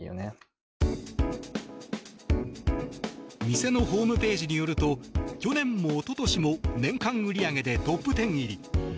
店のホームページによると去年も、一昨年も年間売り上げでトップ１０入り。